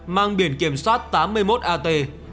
mang biển kiểm soát tám mươi một at